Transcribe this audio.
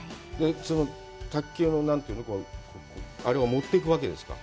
卓球のなんていうの、あれを持っていくわけですか。